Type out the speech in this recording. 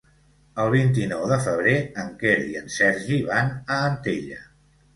El vint-i-nou de febrer en Quer i en Sergi van a Antella.